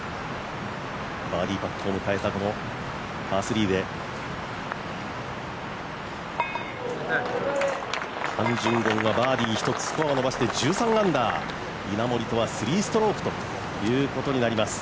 バーディーパットを迎えたパー３でハン・ジュンゴンはバーディー１つスコアを伸ばして１３アンダー、稲森とは３ストロークということになります。